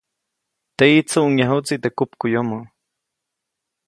Teʼyi, tsuʼŋyajuʼtsi teʼ kupkuʼyomoʼ.